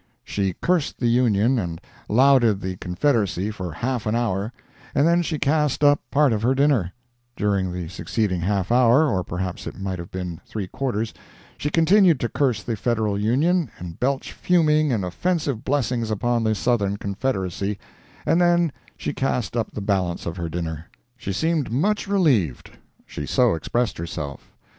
She cursed the Union and lauded the Confederacy for half an hour, and then she cast up part of her dinner; during the succeeding half hour, or perhaps it might have been three quarters, she continued to curse the Federal Union and belch fuming and offensive blessings upon the Southern Confederacy, and then she cast up the balance of her dinner. She seemed much relieved. She so expressed herself.